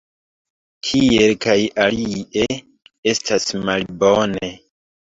Tiel kaj alie estas malbone.